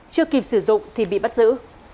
chưa kịp sử dụng thì bị bắt giữ